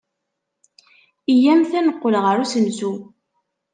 Iyyamt ad neqqel ɣer usensu.